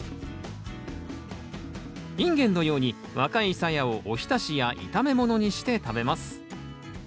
インゲンのように若いさやをお浸しや炒め物にして食べます。